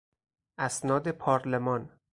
اسناد پارلمان